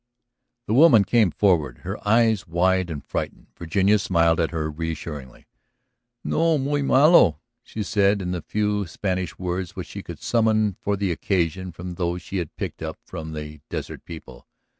The woman came forward, her eyes wide and frightened. Virginia smiled at her reassuringly. "No muy malo," she said in the few Spanish words which she could summon for the occasion from those she had picked up from the desert people.